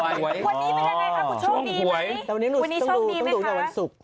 วันนี้ต้องดูจะวันศุกร์